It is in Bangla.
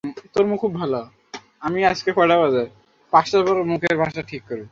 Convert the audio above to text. এছাড়াও রয়েছে উত্তর ও দক্ষিণ সন্দ্বীপের যোগাযোগ স্থাপনকারী সন্তোষপুর-সারিকাইত সড়ক।